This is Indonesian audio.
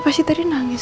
masih ada yang nunggu